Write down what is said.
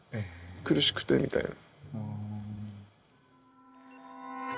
苦しくてみたいな。